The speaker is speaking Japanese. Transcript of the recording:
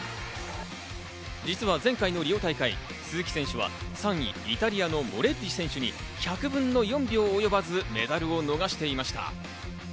実は前回のリオ大会、鈴木選手は３位イタリアのモレッリ選手に１００分の４秒及ばず、メダルを逃していました。